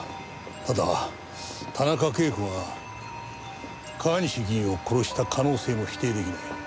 ただ田中啓子が川西議員を殺した可能性も否定出来ない。